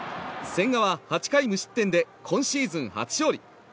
千賀は８回無失点で今シーズン初勝利。